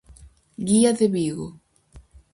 Guía de Vigo.